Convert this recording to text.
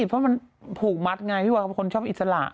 เพราะมันผูกมัสไงมีคนชอบอิสระ